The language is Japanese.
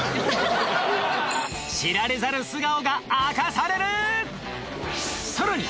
知られざる素顔が明かされる！